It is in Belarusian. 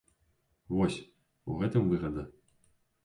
Вось, у гэтым выгада.